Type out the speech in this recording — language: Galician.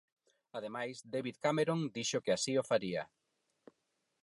Ademais, David Cameron dixo que así o faría.